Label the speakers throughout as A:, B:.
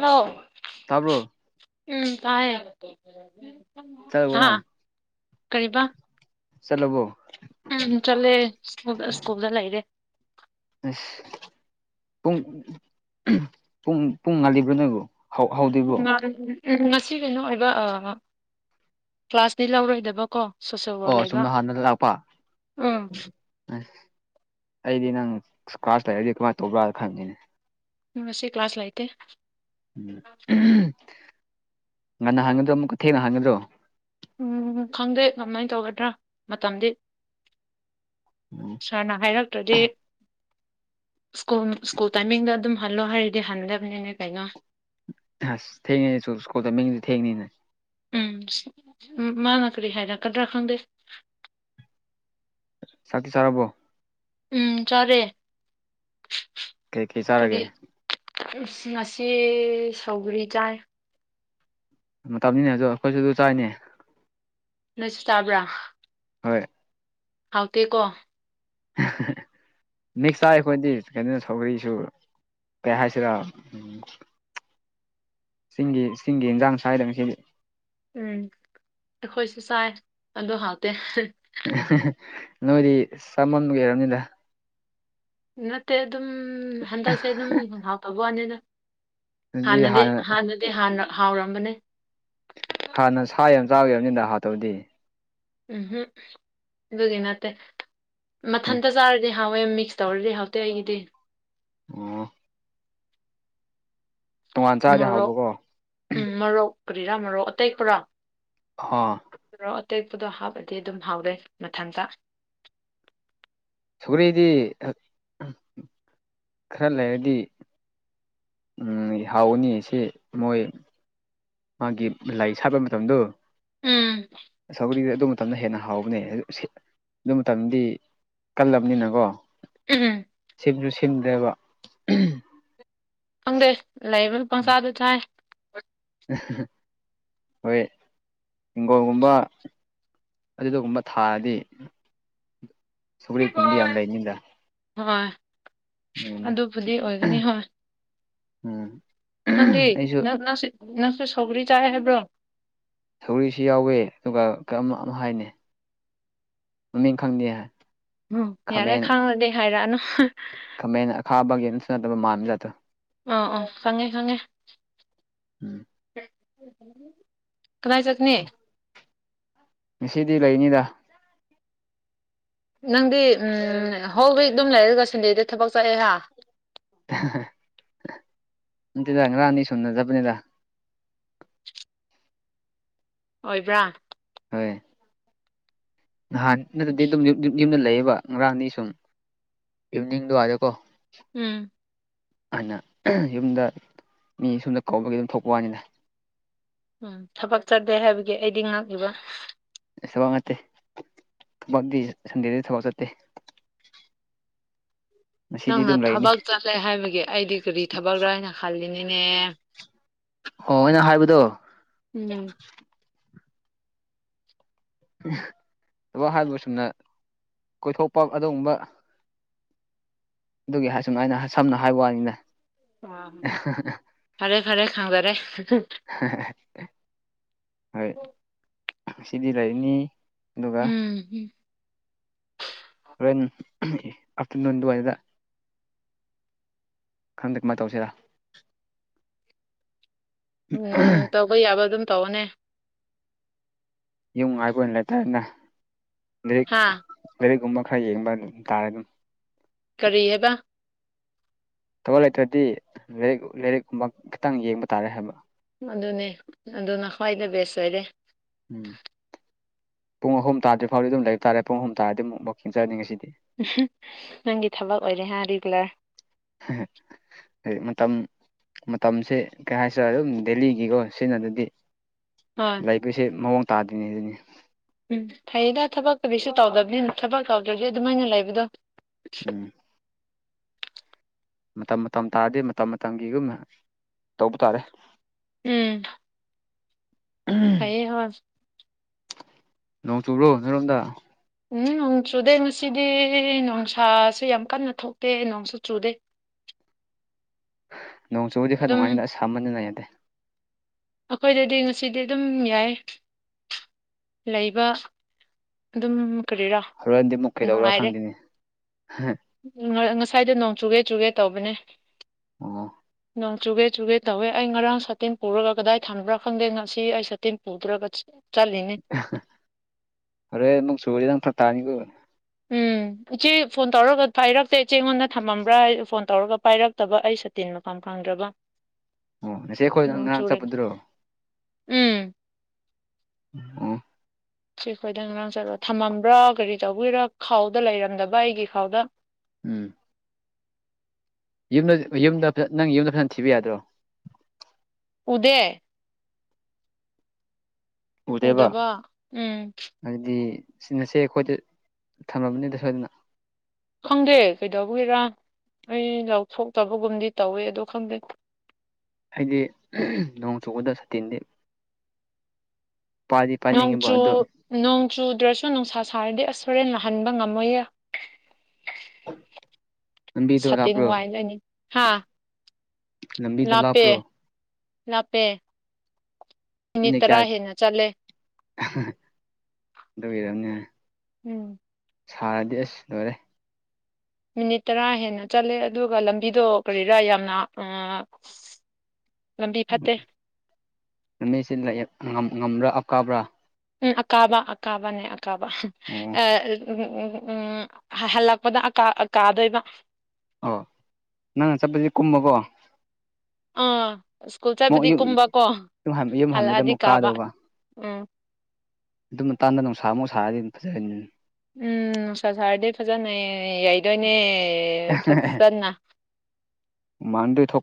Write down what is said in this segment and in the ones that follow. A: ꯅ
B: ꯇꯥꯕꯣ
A: ꯎꯝ ꯇꯥꯏꯌꯦ ꯍꯥ
B: ꯆꯠꯂꯕꯣꯅ
A: ꯀ
B: ꯆꯂꯕꯣ
A: ꯎꯝ ꯆꯂꯦ ꯁ ꯁꯀꯨꯜꯗ ꯂꯩꯗꯦ
B: ꯑꯁ ꯄꯨꯡ ꯄꯨꯡ ꯄꯨꯡꯉꯥꯜꯂꯤꯕ꯭ꯔꯣ ꯅꯪꯕꯨꯣ
A: ꯎꯝ ꯎꯝ ꯉꯁꯤ ꯀꯩꯅꯣ ꯑꯣꯏꯕ ꯀ꯭ꯂꯥꯁꯅꯤ ꯂꯧꯔꯣꯏꯗꯕꯀꯣ ꯁꯣꯁꯦꯜ ꯋꯥꯔꯛ
B: ꯑꯣ
A: ꯂꯩꯕ
B: ꯁꯣꯨꯝꯅ ꯍꯥꯟꯅ ꯂꯥꯛꯄ
A: ꯎꯝ
B: ꯎ ꯑꯩꯗꯤ ꯅꯪ ꯀ꯭ꯂꯥꯁ ꯂꯥꯏꯔꯤꯛꯗꯤ ꯀꯃꯥꯏꯅ ꯇꯧꯕ꯭ꯔꯥꯅ ꯈꯪꯉꯤꯅꯦ
A: ꯁꯤꯦ ꯀ꯭ꯂꯥꯁ ꯂꯥꯏꯦ
B: ꯎꯝ ꯉꯟꯅ ꯍꯥꯡꯒꯗ꯭ꯔꯣ ꯑꯃꯨꯛꯀ ꯊꯦꯡꯅ ꯍꯥꯡꯒꯗ꯭ꯔꯣ
A: ꯎꯝ ꯈꯪꯗꯦ ꯀꯃꯥꯏꯅ ꯇꯧꯒꯗ꯭ꯔꯥ ꯃꯇꯝꯗꯤ
B: ꯎꯝ
A: ꯁꯥꯔꯅ ꯍꯥꯏꯔꯛꯇ꯭ꯔꯗꯤ ꯁ꯭ꯀꯨꯜ ꯁ꯭ꯀꯨꯜ ꯇꯥꯏꯃꯤꯡꯗ ꯑꯗꯨꯝ ꯍꯜꯂꯣ ꯍꯥꯏꯔꯗꯤ ꯍꯟꯗꯕꯅꯤꯅꯦ ꯀꯩꯅꯣ
B: ꯑꯁ ꯊꯦꯡꯉꯅꯦꯁꯨ ꯁ꯭ꯀꯨꯜꯗ ꯃꯤꯡꯗꯤ ꯊꯦꯡꯅꯤꯅꯦ
A: ꯎꯝ ꯃꯥꯅ ꯀꯔꯤ ꯍꯥꯏꯔ ꯀꯗ ꯔꯈꯪꯗ
B: ꯁꯥꯇꯤ ꯁꯔꯔꯕꯣ
A: ꯎꯝ ꯆꯔꯦ
B: ꯀꯩ ꯀꯩ ꯆꯥꯔꯒꯦ
A: ꯎ ꯉꯁꯤ ꯁꯧꯒꯔꯤ ꯆꯥꯏ
B: ꯃꯇꯝꯅꯤꯅꯦ ꯑꯗꯣ ꯑꯩꯈꯣꯏꯁꯨ ꯑꯗꯨ ꯆꯥꯏꯅꯦ
A: ꯅꯣꯏꯁꯨ ꯇꯥꯕ꯭ꯔꯥ
B: ꯍꯣꯏ
A: ꯍꯥꯎꯊ ꯀꯣ
B: ꯃꯤꯦꯛꯁ ꯇꯥꯏ ꯑꯩꯈꯣꯏꯗꯤ ꯀꯩꯅꯣ ꯁꯧꯒꯔꯤꯁꯨ ꯀ ꯍꯥꯏꯁꯤꯔ ꯎ ꯆꯁꯤꯡꯒꯤꯒꯤ ꯆꯁꯤꯡꯒꯤꯒꯤ ꯏꯟꯖꯥꯡ ꯁ꯭ꯋꯥꯏꯗꯁꯤ
A: ꯎꯝ ꯑꯩꯈꯣꯏꯁꯨ ꯆꯥꯏ ꯑꯣ ꯍꯥꯇꯦ
B: ꯅꯣꯏꯔꯤ ꯁꯃꯥꯟꯒ ꯏꯔꯅꯤꯂ
A: ꯅꯠꯇꯦ ꯑꯗꯨꯝ ꯍꯟꯗꯛꯁꯦ ꯑꯗꯨꯝ ꯍꯥꯎꯇꯕ ꯋꯥꯅꯤꯅ
B: ꯑꯗꯨꯗꯤ
A: ꯍꯥꯟꯅꯗꯤ
B: ꯍꯥꯟꯅ
A: ꯍꯥꯟꯅꯗꯤ ꯍꯥꯎꯔꯝꯕꯅꯦ
B: ꯍꯥꯟꯅ ꯁꯥ ꯌꯥꯝ ꯆꯥꯒꯦꯕꯅꯤꯗ ꯍꯥꯠꯇꯧꯗꯤ
A: ꯎꯝꯝ ꯑꯗꯨꯒꯤ ꯅꯠꯇꯦ ꯃꯊꯟꯇ ꯆꯥꯔꯗꯤ ꯍꯍꯥꯎꯋꯦ ꯃꯤꯛꯁ ꯇꯧꯔꯗꯤ ꯍꯥꯎꯇꯦ ꯑꯩꯒꯤꯗꯤ
B: ꯑ ꯆꯥꯔꯗꯤ
A: ꯃꯔꯣꯔꯣꯛ
B: ꯍꯥꯎꯕꯀꯣ
A: ꯎꯝ ꯃꯔꯣꯛ ꯀꯔꯤꯔꯥ ꯃꯔꯧ ꯑꯇꯩ ꯄꯨꯔꯥ
B: ꯍ
A: ꯑꯗꯨꯔꯣ ꯑꯇꯦꯛꯄꯗꯣ ꯍꯥꯞꯄꯗꯤ ꯑꯗꯨꯝ ꯍꯥꯎꯔꯦ ꯃꯊꯟꯇ
B: ꯁꯨꯒꯔꯤꯗꯤ ꯈꯔ ꯂꯩꯔꯗꯤ ꯎꯝ ꯍꯥꯎꯅꯤ ꯁꯤ ꯃꯣꯏ ꯃꯥꯒꯤ ꯂꯥꯏ ꯁꯥꯠꯄ ꯃꯇꯝꯗꯣ
A: ꯎꯝ
B: ꯃꯇꯝꯅ ꯍꯦꯟꯅ ꯍꯥꯎꯕꯅꯦ ꯑꯗꯨ ꯃꯇꯝꯗꯤ ꯀꯜꯂꯕꯅꯤꯅꯀꯣ
A: ꯎꯝ
B: ꯁꯤꯝꯁꯨ ꯁꯦꯝꯝꯗꯦꯕ
A: ꯈꯪꯗꯦ ꯂꯩꯕꯅ ꯄꯪꯆꯥꯗ ꯆꯥꯏ
B: ꯍꯣꯏ ꯍꯤꯡꯒꯣꯜꯒꯨꯝꯕ ꯑꯗꯨꯗꯨꯒꯨꯝꯕ ꯊꯥꯔꯗꯤ ꯁꯨꯒ ꯀꯨꯝꯗꯤ ꯌꯥꯝ ꯂꯩꯅꯤꯗ
A: ꯍꯣꯏ
B: ꯑꯗꯨꯅꯦ
A: ꯑꯗꯨꯕꯨꯗꯤ ꯑꯣꯏꯒꯅꯤ ꯍꯣꯏ
B: ꯎꯝ
A: ꯍꯪꯔꯤ
B: ꯑꯩꯁꯨ
A: ꯅꯪ ꯅꯪꯁꯨ ꯁꯒꯔꯤ ꯆꯥꯏꯦ ꯍꯥꯏꯕ꯭ꯔꯣ
B: ꯊꯧꯔꯤꯁꯨ ꯌꯥꯎꯋꯦ ꯑꯗꯨꯒ ꯀꯝ ꯍꯥꯏꯅꯤ ꯃꯃꯤꯡ ꯈꯪꯗꯦ ꯍꯥꯏ
A: ꯎꯝ ꯌꯥꯔꯦ ꯈꯥꯡꯉꯗꯤꯦ ꯍꯥꯏꯔꯛꯑꯅꯨ
B: ꯃꯥꯥꯡꯂꯣ
A: ꯑ ꯑ ꯆꯉꯦ ꯆꯉꯦ
B: ꯎꯝ
A: ꯀꯃꯥꯏ ꯆꯅꯤ
B: ꯉꯁꯤꯗꯤ ꯂꯩꯅꯤꯗ
A: ꯅꯪꯗꯤ ꯍꯣꯜ ꯋꯤꯛ ꯑꯗꯨꯝ ꯂꯩꯔꯒ ꯁꯟꯗꯦꯗ ꯊꯕꯛ ꯆꯠꯑꯦ ꯍꯥ
B: [unintelligible] ꯑꯇꯗꯪꯔꯅꯤ ꯁꯣꯟꯅꯖꯕꯅꯤꯗ
A: ꯑꯣꯏꯕ꯭ꯔꯥ
B: ꯍꯣꯏ ꯅꯍꯥꯟ ꯅꯠꯇꯗꯤ ꯑꯗꯨꯝ ꯌꯨꯝꯗ ꯂꯩꯌꯦ ꯑꯗꯨꯒ ꯉꯔꯥꯡꯗꯤ ꯁꯨꯝ ꯏꯚꯅꯤꯡꯗ ꯍꯥꯏꯔꯦꯀꯣ
A: ꯎꯝ
B: ꯑꯗꯨꯅ ꯌꯨꯝꯗ ꯃꯤ ꯁꯨꯝꯗ ꯀꯧꯕꯒꯤ ꯑꯗꯨꯝ ꯊꯣꯛꯄ ꯋꯥꯅꯤꯅ
A: ꯎꯝ ꯊꯕꯛ ꯆꯥꯗꯦ ꯍꯥꯏꯕꯒꯤ ꯑꯩꯗꯤ ꯉꯛꯂꯤꯕ
B: ꯊꯕꯛ ꯅꯠꯇꯦ ꯊꯕꯛꯗꯤ ꯁꯟꯗꯦꯗꯗꯤ ꯊꯕꯛ ꯆꯠꯇꯦ ꯉꯁꯤꯗꯤ
A: ꯅꯪꯅ
B: ꯑꯗꯨꯝ ꯂꯩꯅꯤ
A: ꯊꯕꯛ ꯆꯠꯂꯦ ꯍꯥꯏꯕꯒꯤ ꯑꯩꯗꯤ ꯀꯔꯤ ꯊꯕꯛꯔꯥ ꯍꯥꯏꯅ ꯈꯜꯂꯤꯅꯤꯅꯦ
B: ꯑꯣ ꯑꯩꯅ ꯍꯥꯏꯕꯗꯣ
A: ꯎꯝ
B: ꯊꯕꯛ ꯍꯥꯏꯕꯨ ꯁꯨꯝꯅ ꯀꯣꯏꯊꯣꯛꯄ ꯑꯗꯨꯒꯨꯝꯕ ꯑꯗꯨꯒꯤ ꯍꯥꯏꯁꯨꯝ ꯑꯩꯅ ꯁꯝꯅ ꯍꯥꯏꯕ ꯋꯥꯅꯤꯅꯦ
A: ꯑ ꯐꯔꯦ ꯐꯔꯦ ꯈꯪꯗꯔꯦ
B: ꯍꯣꯏ ꯁꯤꯗꯤ ꯂꯩꯅꯤ ꯑꯗꯨꯒ
A: ꯎꯝꯝ
B: ꯦꯟ ꯑꯅ ꯋꯥꯅꯤꯗ ꯈꯪꯗꯦ ꯀꯃꯥꯏꯅ ꯇꯧꯁꯤꯔꯥ
A: ꯎꯝ ꯇꯧꯕ ꯌꯥꯕ ꯑꯗꯨꯝ ꯇꯧꯅꯦ
B: ꯌꯨꯝ ꯉꯥꯏꯕ ꯑꯣꯏꯅ ꯂꯩꯇꯥꯔꯅ ꯂꯤꯔꯤꯛ
A: ꯍꯥ
B: ꯂꯔꯤꯛꯨꯝꯕ ꯈꯔ ꯌꯦꯡꯕ ꯑꯗꯨꯝ ꯇꯥꯔꯦ ꯑꯗꯨꯝ
A: ꯀꯔꯤ ꯍꯥꯏꯦꯕ
B: ꯊꯕ ꯂꯩꯇ꯭ꯔꯗꯤ ꯂꯥꯏꯔꯤꯛ ꯂꯥꯏꯔꯤꯛꯀꯨꯝꯕ ꯈꯤꯇꯪ ꯌꯦꯡꯕ ꯇꯥꯔꯦ ꯍꯥꯏꯕ
A: ꯑꯗꯨꯅꯦ ꯑꯗꯨꯅ ꯈ꯭ꯋꯥꯏꯗ ꯕꯦꯁ ꯑꯣꯏꯔꯦ
B: ꯎꯝ ꯄꯨꯡ ꯑꯍꯨꯝ ꯇꯥꯔꯗ꯭ꯔꯤ ꯐꯥꯎꯗꯤ ꯑꯗꯨꯝ ꯂꯩꯕ ꯇꯥꯔꯦ ꯄꯨꯡ ꯑꯍꯨꯝ ꯇꯥꯔꯗꯤ ꯑꯗꯨꯝꯛꯡ ꯆꯅꯤꯡꯤꯁꯤꯗꯤ
A: ꯑꯣꯏꯔꯦꯦ ꯔꯔꯤꯒꯨꯂꯔ
B: ꯍ ꯍꯥꯏꯗꯤ ꯃꯇꯝ ꯃꯇꯝꯁꯦ ꯀꯩ ꯍꯥꯏꯁꯤꯔꯦ ꯑꯗꯨꯝ ꯗꯦꯜꯂꯤꯒꯤꯀꯣ ꯁꯤꯖꯤꯟꯅ ꯑꯗꯨꯗꯤ
A: ꯍꯣꯏ
B: ꯂꯩꯕꯁꯦ ꯃꯑꯣꯡ ꯇꯥꯗ꯭ꯣꯏꯅꯦ ꯑꯗꯨꯅꯤ
A: ꯎꯝ ꯐꯩꯌꯦꯗ ꯊꯕꯛꯇꯛꯇꯕꯤꯁꯨ ꯇꯧꯗꯕꯅꯤꯅ ꯊꯕꯛ ꯇꯧꯗ꯭ꯔꯗꯤ ꯑꯗꯨꯃꯥꯏꯅ ꯂꯩꯕꯗꯣ
B: ꯎꯝ ꯃꯇꯝ ꯃꯇꯝ ꯇꯥꯗꯤ ꯃꯇꯝ ꯃꯇꯝꯒꯤꯒꯨꯝꯅ ꯇꯧꯕ ꯇꯥꯔꯦ
A: ꯎꯝ ꯐꯩꯌꯦ ꯍꯣꯏ
B: ꯅꯣꯡ ꯇꯨ꯭ꯔꯣ ꯅꯔꯣꯝꯗ
A: ꯎꯝ ꯅꯣꯡ ꯆꯨꯗꯦ ꯃꯁꯤꯗꯤ ꯅꯣꯡꯁꯥꯁꯨ ꯌꯥꯝ ꯀꯟꯅ ꯊꯣꯛꯇꯦ ꯅꯣꯡꯁꯨ ꯆꯨꯗꯦ
B: [inaudible] ꯅꯣꯡ ꯆꯨꯕꯗꯤ
A: ꯑꯗꯨꯝ
B: ꯈꯔꯅꯨꯡꯉꯥꯏꯅ ꯑꯁꯝꯃꯅꯗꯦ
A: ꯑꯩꯈꯣꯏꯗꯗꯤ ꯉꯁꯤꯗꯤ ꯑꯗꯨꯝ ꯌꯥꯏ ꯂꯩꯕ ꯑꯗꯨꯝ ꯀꯔꯤꯔꯣ
B: ꯍꯣꯔꯦꯟꯗꯤ ꯑꯃꯨꯛ ꯀꯩꯗꯧꯔꯥ
A: ꯅꯨꯡꯉꯥꯏꯔꯦ
B: ꯈꯪꯗꯦꯅꯦ
A: ꯎ ꯉꯁꯥꯏꯗ ꯅꯣꯡ ꯆꯨꯒꯦ ꯆꯨꯒꯦ ꯇꯧꯕꯅꯦ
B: ꯑꯣ
A: ꯆꯨꯒꯦ ꯆꯨꯒꯦ ꯇꯧꯋꯦ ꯑꯩ ꯉꯔꯥꯡ ꯁꯥꯇꯤꯟ ꯄꯨꯔꯒ ꯀꯗꯥꯏ ꯊꯅꯕ꯭ꯔꯥ ꯈꯪꯗꯦ ꯉꯁꯤ ꯑꯩ ꯁꯥꯇꯤꯟ ꯄꯨꯗ꯭ꯔꯒ ꯆꯂꯤꯅꯦ
B: ꯑꯔꯦ ꯃꯨ ꯆꯒꯔꯤꯗ ꯊ ꯇꯥꯅꯤꯒ
A: ꯎꯝ ꯏꯆꯦ ꯐꯣꯟ ꯇꯧꯔꯒ ꯄꯥꯏꯔꯛꯇꯦ ꯏꯆꯦꯉꯣꯟꯗ ꯊꯝꯃꯝꯕ꯭ꯔꯥ ꯐꯣꯟ ꯇꯧꯔꯒ ꯄꯥꯏꯔꯛꯇꯕ ꯑꯩ ꯁꯇꯤꯟ ꯃꯐꯝ ꯐꯪꯦ ꯕ
B: ꯑꯣꯁꯦꯈꯣꯏꯗꯪ ꯅ ꯆꯠꯄꯗ꯭ꯔꯣ
A: ꯎꯝ
B: ꯑ
A: ꯁꯤ ꯑꯩꯈꯣꯏꯗꯪ ꯉꯔꯥꯡ ꯆꯠꯂꯣ ꯊꯝꯃꯝꯕ꯭ꯔꯥ ꯀꯔꯤ ꯇꯧꯕꯤꯔ ꯈꯥꯎꯗ ꯂꯩꯔꯝꯗꯕ ꯑꯩꯒꯤ ꯈꯥꯎꯗ
B: ꯎꯝ ꯅꯪ ꯌꯨꯝꯗꯖ ꯅꯪ ꯌꯨꯝꯗ ꯐꯖꯅ ꯊꯤꯕ ꯌꯥꯗ꯭ꯔꯣ
A: ꯎꯗꯦ
B: ꯎꯗꯦꯕ
A: ꯎꯗꯕ ꯎꯝ
B: ꯍꯥꯏꯗꯤ ꯁꯤꯅꯁꯦ ꯑꯩꯈꯣꯏꯗ ꯊꯝꯃꯕꯅꯤꯗ ꯁꯣꯏꯗꯅ
A: ꯈꯪꯗꯦ ꯀꯩꯗꯧꯕ ꯍꯔ ꯑꯩ ꯂꯧꯊꯣꯛꯇꯕꯒꯨꯝꯗꯤ ꯇꯧꯋꯦ ꯑ ꯈꯪꯗꯦ
B: ꯍꯥꯏꯗꯤ ꯅꯣꯡ ꯆꯨꯕꯗ ꯁꯇꯤꯟꯗꯤ
A: ꯅꯣꯡꯆꯨ
B: ꯑꯗꯣ
A: ꯅꯣꯡ ꯆꯨꯗ꯭ꯔꯁꯨ ꯅꯨꯡꯁꯥ ꯁꯥꯔꯗꯤ ꯑꯁ ꯍꯣꯔꯦꯟ ꯅꯥꯍꯟꯕ ꯉꯝꯃꯣꯏꯌꯦ
B: [inaudible]
A: ꯁꯇꯤꯟ
B: ꯂꯥꯞꯄ꯭ꯔꯣ
A: ꯋꯥꯏꯗꯅꯤ ꯍꯥ
B: ꯂꯝꯕꯤꯗꯣ
A: ꯂꯥꯞꯄꯦ
B: ꯂꯥꯞꯄ꯭ꯔꯣ
A: ꯂꯥꯞꯄꯦ ꯃꯤꯅꯤꯠ ꯇꯔꯥ ꯍꯦꯟꯅ ꯆꯠꯂꯦ
B: ꯗꯏꯔꯅꯦ
A: ꯎꯝ
B: ꯁꯥꯔꯗꯤ ꯑꯁ ꯂꯣꯏꯔꯦ
A: ꯃꯤꯅꯤꯠ ꯇꯔꯥ ꯍꯦꯟꯅ ꯆꯠꯂꯦ ꯑꯗꯨꯒ ꯂꯝꯕꯤꯗꯣ ꯀꯔꯤꯔꯥ ꯌꯥꯝꯅ ꯂꯝꯕꯤ ꯐꯠꯇꯦ
B: ꯅꯨꯃꯤꯁꯤ ꯉꯝꯕ꯭ꯔꯥ ꯑꯞꯀꯥꯕ꯭ꯔꯥ
A: ꯎꯝ ꯑꯀꯥꯕꯥ ꯑꯀꯥꯕꯅꯦ ꯑꯀꯥꯕ
B: ꯑꯣ
A: ꯑ ꯎꯝ ꯎꯝ ꯎꯝ ꯎꯝ ꯍꯜꯂꯛꯄꯗ ꯀꯥꯗꯣꯏꯕ
B: ꯑ ꯅꯪꯅ ꯆꯠꯄꯗꯤ ꯀꯨꯝꯃꯀꯣ
A: ꯑꯥ ꯁ꯭ꯀꯨꯜ ꯆꯠꯄꯗꯤ ꯀꯨꯝꯕꯀꯣ
B: ꯌꯨꯝ ꯍꯟꯕꯗ
A: ꯍꯜꯂꯛꯑꯗꯤ
B: ꯑꯃꯨꯛ
A: ꯀꯥꯕ ꯎꯝ
B: ꯑꯗꯨꯝ ꯃꯇꯥꯟꯗ ꯅꯨꯡꯁꯥ ꯑꯃꯨꯛ ꯁꯥꯥꯔꯗꯤ ꯑꯗꯨꯝ ꯐꯖꯔꯅꯤ
A: ꯎꯝ ꯁꯥꯔꯗꯤꯦ ꯐꯖꯅꯌꯦ ꯌꯥꯏꯗꯣꯏꯅꯦ ꯐꯠ ꯆꯟꯅ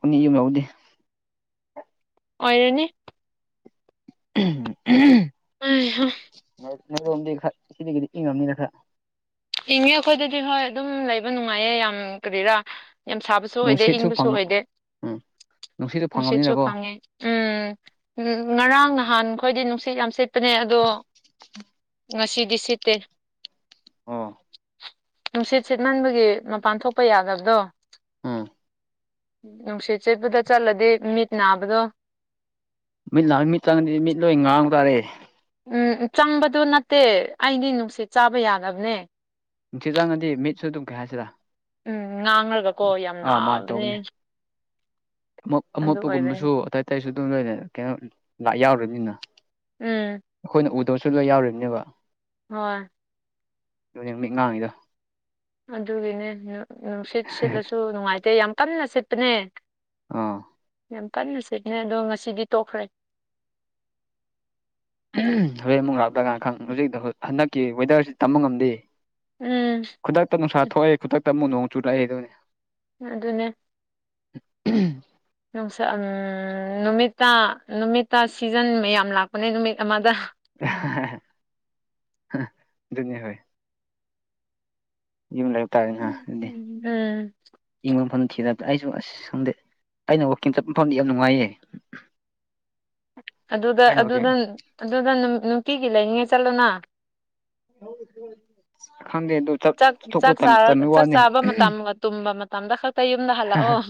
B: ꯎꯅꯤ ꯌꯨꯝ ꯂꯧꯎꯗꯦ
A: ꯑꯩꯅꯅꯦ
B: ꯎ
A: ꯑ ꯍꯣ
B: ꯅꯗꯣꯝꯗꯤ ꯈꯔ ꯁꯤꯗꯤ ꯏꯪꯉꯝꯅꯤꯅ ꯈꯔ
A: ꯏꯪꯉꯦ ꯑꯩꯈꯣꯏꯗꯗꯤ ꯍꯣꯏ ꯑꯗꯨꯝ ꯂꯩꯕ ꯅꯨꯡꯉꯥꯏꯌꯦ ꯌꯥꯝ ꯀꯔꯤꯔꯥ ꯌꯥꯝ ꯁꯥꯕꯁꯨ ꯑꯣꯏꯗꯦ
B: ꯅꯨꯡꯁꯤꯠꯁꯨ
A: ꯏꯪꯕꯁꯨ
B: ꯐꯪꯉ
A: ꯑꯣꯏꯗꯦ
B: ꯎꯝ
A: ꯅꯨꯡꯁꯤꯠꯁꯨ ꯐꯪꯉꯦ ꯎꯝ ꯎꯝ ꯉꯔꯥꯡꯍ ꯅꯍꯥꯟ ꯈꯣꯏꯗꯤ ꯅꯨꯡꯁꯤꯠ ꯌꯥꯝ ꯁꯤꯠꯄꯅꯦ ꯑꯗꯣ ꯉꯁꯤꯗꯤ ꯁꯤꯠꯇꯦ
B: ꯑꯣ
A: ꯅꯨꯡꯁꯤꯠ ꯁꯤꯠꯃꯟꯕꯒꯤ ꯃꯄꯥꯟ ꯊꯣꯛꯄ ꯌꯥꯗꯕꯗꯣ
B: ꯎꯝ
A: ꯅꯨꯡꯁꯤꯠ ꯆꯦꯠꯄꯗ ꯆꯠꯂꯗꯤ ꯃꯤꯠ ꯅꯥꯕꯗꯣ
B: ꯇꯔꯦ
A: ꯎꯝ ꯆꯪꯕꯗꯨ ꯅꯠꯇꯦ ꯑꯩꯗꯤ ꯅꯨꯡꯁꯤꯠ ꯆꯥꯕ ꯌꯥꯗꯅꯕꯅꯦ
B: ꯆꯤ ꯆꯪꯗꯤ ꯃꯤꯠꯁꯨ ꯑꯗꯨꯝ ꯀꯦ ꯍꯥꯏꯁꯤꯗ
A: ꯎꯝ ꯉꯥꯡꯈ꯭ꯔꯒꯀꯣ ꯌꯥꯝ ꯅꯥꯕꯅꯦ
B: ꯇꯧꯕꯅꯦ
A: ꯑꯗꯨ ꯑꯣꯏꯕꯅꯤ
B: ꯑꯃꯣꯠꯄꯒꯨꯝꯕꯁꯨ ꯑꯇꯩ ꯑꯇꯩꯁꯨ ꯑꯗꯨꯝ ꯂꯣꯏꯔ ꯀꯩꯅꯣ ꯂꯥꯛ ꯌꯥꯎꯔꯅꯤꯅ
A: ꯎꯝ
B: ꯑꯩꯈꯣꯏꯅ ꯎꯗꯧꯁꯨ ꯂꯣꯏ ꯌꯥꯎꯔꯤꯕꯅꯦꯕ
A: ꯍꯣꯏ
B: ꯃꯤ ꯉꯥꯡꯉꯗ
A: ꯑꯗꯨꯒꯤꯅꯦ ꯅꯨꯡꯁꯤꯠ ꯁꯤꯠꯂꯁꯨ ꯅꯨꯡꯉꯥꯏꯇꯦ ꯌꯥꯝ ꯀꯟꯅ ꯁꯤꯠꯄꯅꯦ
B: ꯑꯥ
A: ꯌꯥꯝ ꯄꯟꯅꯁꯦꯅꯦ ꯑꯗꯣ ꯉꯁꯤꯗꯤ ꯇꯣꯛꯈ꯭ꯔꯦ
B: ꯍꯣꯔꯦꯟ ꯑꯃꯨꯛ ꯂꯞꯂ ꯀꯥꯟ ꯈꯪ ꯍꯧꯖꯤꯛꯇ ꯍꯟꯗꯛꯀꯤ ꯋꯦꯗꯔꯁꯤ ꯇꯝꯕ ꯉꯝꯗꯦ
A: ꯎꯝ
B: ꯈꯨꯗꯛꯇ ꯅꯨꯡꯁꯥ ꯊꯣꯛꯑꯦ ꯈꯨꯗꯛꯇ ꯑꯃꯨꯛ ꯅꯣꯡ ꯆꯨꯨꯔꯛꯏ ꯑꯗꯨꯅꯤ
A: ꯑꯗꯨ ꯑꯗꯨꯅꯦ
B: [unintelligible]
A: ꯁ ꯅꯨꯃꯤꯠꯇ ꯅꯨꯃꯤꯠꯇ ꯁꯤꯖꯟ ꯃꯌꯥꯝ ꯂꯥꯛꯄꯅꯦ ꯅꯨꯃꯤꯠ ꯑꯃꯗ
B: ꯅ ꯍ ꯌꯨꯝ ꯂꯩꯕ ꯇꯥꯔꯦ ꯑꯗꯨꯗꯤ
A: ꯎꯝ
B: ꯏꯪꯕꯐꯝ ꯈꯤꯗ ꯑꯩꯁꯨ ꯑꯁ ꯈꯪꯗꯦ ꯑꯩꯅ ꯋꯥꯛꯀꯤꯡ ꯆꯠꯄ ꯐꯐꯝꯗꯤ ꯌꯥꯝ ꯅꯨꯡꯉꯥꯏꯌꯦ
A: ꯑꯗꯨꯗ
B: ꯑꯩꯅ ꯋꯥꯛꯀꯤꯡ
A: ꯑꯗꯨꯗ ꯑꯗꯨꯗ ꯅꯨꯅꯨꯡꯄꯤꯤꯒꯤ ꯂꯩꯅꯤꯡꯉ ꯆꯠꯂꯨꯅ
B: ꯍ ꯍ
A: ꯆꯥꯛ
B: ꯇꯟꯕꯩ ꯋꯥꯅꯤ
A: ꯆꯥꯕ ꯃꯇꯝ ꯇꯨꯝꯕ ꯇꯝꯗ ꯁ ꯇ ꯌꯨꯝꯗ ꯍꯥꯜꯂ ꯑꯣ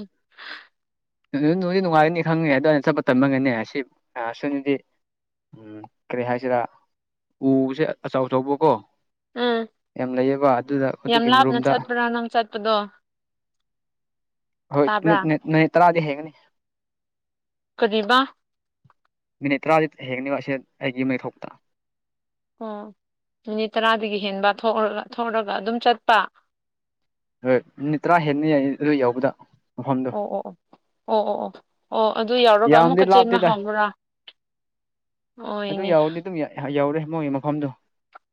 B: ꯅꯣꯡꯗꯤ ꯅꯨꯡꯉꯥꯏꯒꯅꯤ ꯈꯪꯉꯦ ꯑꯗꯨ ꯑꯩꯅ ꯆꯠꯄ ꯇꯝꯃꯒꯅꯦ ꯁꯤ ꯁꯅꯤꯗꯤ ꯎꯝ ꯀꯔꯤ ꯍꯥꯏꯁꯤꯔ ꯎꯁꯦ ꯑꯆꯧ ꯑꯆꯧꯕꯀꯣ
A: ꯎꯝ
B: ꯌꯥꯝ ꯂꯩꯌꯦꯕ ꯑꯗꯨꯗ
A: ꯌꯥꯝ
B: ꯑꯗꯨꯒꯤ
A: ꯂꯥꯞꯅ
B: ꯃꯔꯨꯝꯗ
A: ꯆꯠꯄ꯭ꯔꯥ ꯅꯪ ꯆꯠꯄꯗꯣ
B: ꯍꯣꯏ
A: ꯇꯥꯕ꯭ꯔꯥ
B: ꯅ ꯇꯔꯥꯗꯤ ꯍꯩꯒꯅꯤ
A: ꯀꯗꯤꯕ
B: ꯃꯤꯅꯤꯠ ꯇꯔꯥꯗꯤ ꯍꯦꯛꯅꯦꯕ ꯑꯁꯤꯁ ꯑꯩꯒꯤ ꯃꯩ ꯊꯣꯛꯣꯛꯇ
A: ꯑꯣ ꯃꯤꯅꯤꯠ ꯇꯔꯥꯗꯒꯤ ꯍꯦꯟꯕ ꯊꯣꯛꯔꯒ ꯑꯗꯨꯝ ꯆꯠꯄ
B: ꯍꯣꯏ ꯅꯨꯠ ꯇꯔꯥ ꯍꯦꯟꯅ ꯑꯗꯨ ꯌꯥꯎꯕꯗ
A: ꯑꯣ ꯑꯣ ꯑꯣ ꯑꯣ ꯑꯣ ꯑꯣ ꯑꯣ ꯑꯗꯨ ꯌꯥꯎꯔꯒ
B: ꯌꯥꯝꯗꯤ
A: ꯑꯃꯨꯛꯀꯆꯦꯟꯅ
B: ꯂꯥꯞꯇꯦꯗ
A: ꯍꯥꯎꯕ꯭ꯔꯥ
B: ꯑꯗꯨ ꯌꯥꯎꯔꯅꯤ ꯑꯗꯨꯝ ꯌꯥꯎꯔꯦ ꯃꯣꯏꯒꯤ ꯃꯐꯝꯗꯣ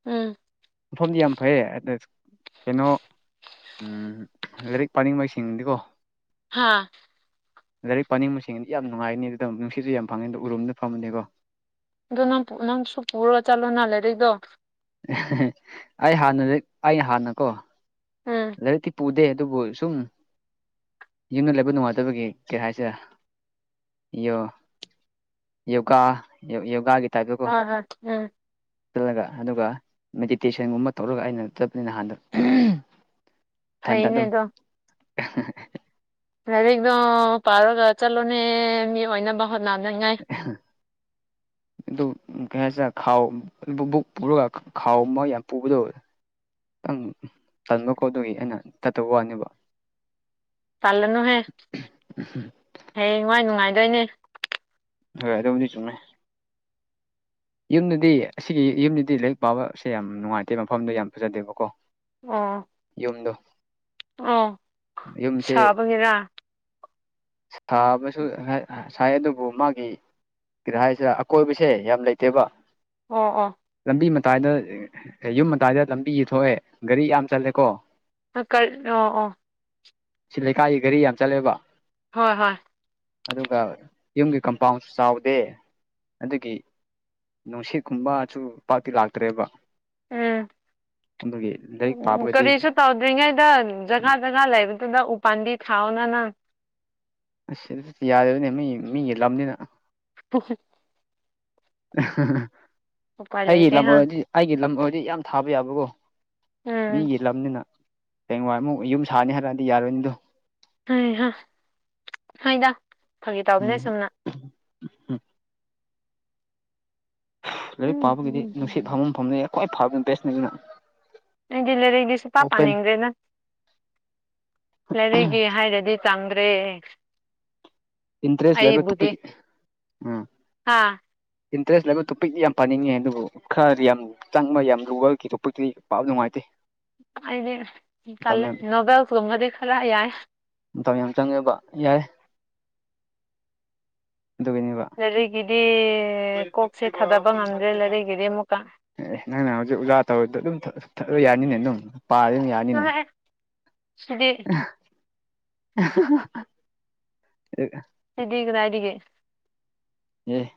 A: ꯎꯝ
B: ꯃꯐꯝꯗꯤ ꯌꯥꯝ ꯐꯩꯌꯦ ꯑꯗꯨꯗ ꯀꯩꯅꯣ ꯎ ꯂꯥꯏꯔꯤꯛ ꯄꯥꯅꯤꯡꯕꯩꯁꯤꯡꯗꯤꯀꯣ
A: ꯍꯥꯥ
B: ꯂꯥꯏꯔꯤꯛ ꯄꯥꯅꯤꯡꯕ ꯃꯁꯤꯡꯗꯤ ꯌꯥꯝ ꯅꯨꯡꯉꯥꯏꯅꯤ ꯑꯗꯨꯗ ꯅꯨꯡꯁꯤꯠꯁꯨ ꯌꯥꯝ ꯐꯪꯉꯅꯤꯗꯣ ꯎꯔꯨꯝꯗ ꯐꯝꯃꯅꯤꯀꯣ
A: ꯑꯗꯨꯣ ꯅꯪ ꯅꯪꯁꯨ ꯄꯨꯔꯑꯣ ꯆꯠꯂꯣꯅ ꯂꯩꯦꯔꯗꯣ
B: ꯑꯩ ꯍꯥꯟꯅ ꯑꯩ ꯍꯥꯟꯅꯀꯣ
A: ꯍꯣꯏ
B: ꯂꯔꯤꯛꯇꯤ ꯄꯨꯗꯦ ꯣ ꯁꯨꯝ ꯌꯨꯝꯗ ꯂꯩꯕ ꯅꯨꯡꯉꯥꯏꯇꯕꯒꯤ ꯀꯩ ꯍꯥꯏꯁꯦ ꯌꯦꯣ ꯌꯣꯒꯥ ꯌ ꯌꯣꯒꯥꯒꯤ
A: ꯍ ꯍ ꯎꯝ
B: ꯆꯜꯂꯒ ꯑꯗꯨꯒ ꯃꯦꯗꯤꯇꯦꯁꯟꯒꯨꯝꯕ ꯇꯧꯔꯒ ꯑꯩꯅ ꯆꯠꯄꯅꯤ ꯅꯍꯥꯟꯗ
A: ꯐꯥꯏꯅꯦꯗ
B: [unintelligible]
A: ꯂꯥꯏꯔꯤꯗꯣ ꯄꯥꯔꯒ ꯆꯠꯂꯣꯅꯦ ꯃꯤ ꯑꯣꯏꯅꯕ ꯍꯣꯠꯅꯅꯤꯡꯉꯥꯏ
B: ꯀ ꯈꯦꯁꯥꯛ ꯈꯥꯎ ꯕꯨꯛ ꯄꯨꯔꯒ ꯈꯥꯎ ꯑꯃ ꯌꯥꯝ ꯄꯨꯕꯗꯧꯕ ꯈꯤꯇꯪ ꯇꯟꯕꯀꯣꯠꯇꯒꯤ ꯑꯩꯅ ꯇꯠꯇꯕ ꯋꯥꯅꯦꯕ
A: ꯆꯜꯂꯅꯨꯍꯦ ꯍꯌꯦꯡ ꯅꯨꯡꯥꯏ ꯅꯨꯡꯉꯥꯏꯗꯣꯏꯅꯦ
B: ꯍꯣꯏ ꯑꯗꯨꯕꯨꯗꯤ ꯆꯨꯝꯃꯦ ꯌꯨꯝꯗꯗꯤ ꯑꯁꯤꯒꯤ ꯌꯨꯝꯗꯗꯤ ꯂꯥꯏꯔꯤꯛ ꯄꯥꯕꯁꯦ ꯌꯥꯝ ꯅꯨꯡꯉꯥꯏꯇꯦ ꯃꯐꯝꯗꯣ ꯌꯥꯝ ꯐꯖꯗꯦꯕꯀꯣ ꯌꯨꯝꯗ
A: ꯑ ꯁꯥꯕꯅꯤꯔ
B: ꯁꯥꯕꯁꯨ ꯁꯥꯏ ꯑꯗꯨꯕꯨ ꯃꯥꯒꯤ ꯀꯔ ꯍꯥꯏꯁꯤꯔ ꯑꯀꯣꯏꯕꯁꯦ ꯌꯥꯝ ꯂꯩꯇꯦꯕ
A: ꯑꯥ ꯑꯥ
B: ꯑꯥꯏꯗ ꯌꯨꯝ ꯑꯥꯏꯗ ꯂꯝꯕꯤ ꯊꯣꯛꯑꯦ ꯒꯥꯔꯤ ꯌꯥꯝ ꯆꯜꯂꯦꯀꯣ
A: ꯑ ꯀ ꯑꯣ ꯑꯣ
B: ꯁꯤ ꯂꯩꯀꯥꯏꯒꯤ ꯘꯔꯤ ꯌꯥꯝ ꯆꯠꯂꯦꯕ
A: ꯍꯣꯏ ꯍꯣꯏ
B: ꯑꯗꯨꯒ ꯌꯨꯝꯒꯤ ꯀꯝꯄꯥꯎꯟꯁꯨ ꯆꯥꯎꯗꯦ ꯑꯗꯨꯒꯤ ꯅꯨꯡꯁꯤꯠꯀꯨꯝꯕꯁꯨ ꯄꯥꯛꯇꯤ ꯂꯥꯛꯇ꯭ꯔꯦꯕ
A: ꯎꯝ
B: ꯑꯗꯨꯒꯤ ꯂꯥꯏꯔꯤꯛ ꯄꯥꯕꯒꯗꯤ
A: ꯀꯔꯤꯁꯨ ꯇꯧꯗ꯭ꯔꯤꯉꯩꯗ ꯖꯒꯥ ꯖꯒꯥ ꯂꯩꯕ ꯑꯗꯨꯗ ꯎꯥꯟꯗꯤ ꯊꯥꯑꯣꯅ ꯅ
B: ꯑ ꯌꯥꯗꯕꯅꯦ ꯃꯤ ꯃꯤ ꯌꯦꯂꯝꯕꯅꯤꯅ
A: [unintelligible] ꯎꯄꯥꯏ
B: ꯑꯩꯒꯤ
A: ꯂꯩꯇꯦ
B: ꯂꯝ
A: ꯍꯥ
B: ꯑꯣꯏꯔꯗꯤ ꯑꯩꯒꯤ ꯂꯝ ꯑꯣꯏꯔꯗꯤ ꯌꯥꯝ ꯊꯥꯕ ꯌꯥꯕꯀꯣ
A: ꯎꯝ
B: ꯃꯤꯒꯤ ꯂꯝꯅꯤꯅ ꯇꯦꯡꯋꯥꯏꯃꯨꯛ ꯌꯨꯝ ꯁꯥꯅꯤ ꯍꯥꯏꯔꯛꯑꯗꯤ ꯌꯥꯔꯣꯏꯅꯤꯗꯣ
A: ꯍꯣꯏ ꯍꯥꯏꯣꯏꯗ ꯐꯒꯦ ꯇꯧꯕꯝꯅꯦ ꯁꯨꯝꯝꯅ
B: ꯎꯝ ꯂꯥꯏꯔꯤꯛ ꯄꯥꯕꯒꯤꯗꯤ ꯅꯨꯡꯁꯤꯠ
A: ꯎꯝ
B: ꯐꯝꯐꯝ ꯐꯐꯝꯅꯤ ꯈ꯭ꯋꯥꯏ ꯐꯥꯕꯅꯤꯅ ꯕꯦꯁꯅꯦ ꯑꯗꯨꯅ
A: ꯑꯩꯗꯤ ꯂꯩꯔꯛꯗꯤ ꯁꯄꯥ
B: ꯑꯣꯄꯦꯟ
A: ꯄꯥꯅꯤꯡꯗ꯭ꯔꯦꯅ ꯂꯩꯥꯏꯔꯛꯒꯤ ꯍꯥꯏꯔꯗꯤ ꯆꯥꯡꯗ꯭ꯔꯦ
B: ꯏꯟꯇ꯭ꯔꯦꯁ ꯂꯩ ꯂꯩꯕ ꯇꯨꯄꯤꯒꯤ ꯎꯝ
A: ꯍꯥ
B: ꯏꯟꯇꯔꯦꯁ ꯂꯩꯕ ꯇꯣꯄꯤꯛꯇꯤ ꯌꯥꯝ ꯄꯥꯅꯤꯡꯉꯦ ꯑꯗꯨꯕꯨ ꯈꯔꯗꯤ ꯌꯥꯝ ꯆꯪꯕ ꯌꯥꯝ ꯂꯒꯨꯒꯜꯒꯤ ꯇꯣꯄꯤꯛꯇꯗꯤ ꯄꯥꯞ ꯅꯨꯡꯉꯥꯏꯇꯦ
A: ꯑꯗꯤ
B: ꯃꯇꯝ
A: ꯀꯂꯦ
B: ꯌꯥꯝ
A: ꯅꯣꯕꯦꯜꯒꯃꯒꯗꯤ ꯈꯔ ꯌꯥꯏ
B: ꯃꯇꯝ ꯌꯥꯝ ꯆꯪꯉꯦꯕ ꯌꯥꯔꯦ ꯑꯗꯨꯒꯤꯅꯦꯕ
A: ꯂꯩꯥꯏꯔꯤꯛꯒꯤꯗꯤ ꯀꯣꯛꯁꯦ ꯊꯥꯗꯕ ꯉꯝꯗ꯭ꯔꯦ ꯂꯥꯏꯔꯤꯛꯒꯤꯗꯤ ꯑꯃꯨꯛꯀ
B: ꯑꯦ ꯅꯪꯅ ꯍꯧꯖꯤꯛ ꯑꯣꯖꯥ ꯇꯧꯔꯗ ꯑꯗꯨꯝ ꯊꯠꯂ ꯌꯥꯅꯤꯅꯦ ꯑꯗꯨꯝ ꯄꯥꯗꯝ ꯌꯥꯅꯤꯅꯦ꯫
A: ꯁꯤꯗꯤ
B: [unintelligible]
A: ꯁꯤꯗꯤꯒꯗꯗꯤꯒꯦ
B: ꯑꯦ꯫